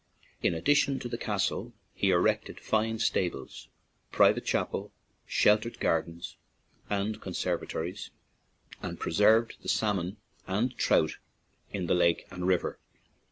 In addition to the castle, he erected fine stables, a private chapel, sheltered gardens, and conserva tories, and preserved the salmon and trout in the lake and river.